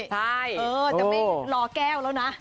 ใช่เออจะไม่รอแก้วแล้วนะ